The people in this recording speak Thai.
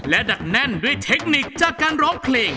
และดักแน่นด้วยเทคนิคจากการร้องเพลง